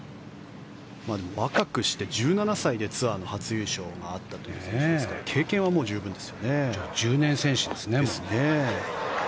でも、若くして１７歳でツアーの初優勝があったという選手ですからじゃあ１０年選手ですね。